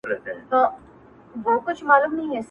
دریم پوښتنه د سرکار او د جهاد کوله!